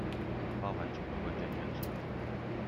包含幾個關鍵元素